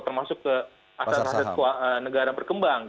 termasuk ke aset aset negara berkembang